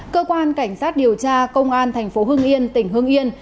cơ quan cảnh sát điều tra công an thành phố hương yên tỉnh hương yên